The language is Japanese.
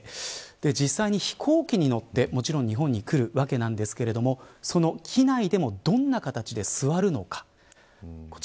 実際に飛行機に乗って日本に来るわけなんですがその機内でもどんな形で座るのか。